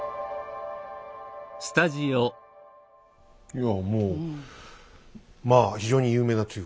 いやもうまあ非常に有名なというかねえ？